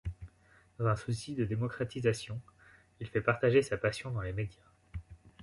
Dans un souci de démocratisation, il fait partager sa passion dans les médias.